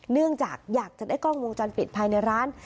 เนื่องจากอยากจะได้กล้องวงจรปิดภายในร้าน